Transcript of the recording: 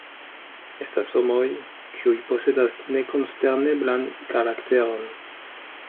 Estas homoj, kiuj posedas nekonsterneblan karakteron.